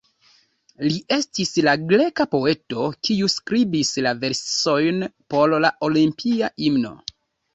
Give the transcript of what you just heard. Li estis la greka poeto kiu skribis la versojn por la Olimpia Himno.